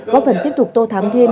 góp phần tiếp tục tô thám thêm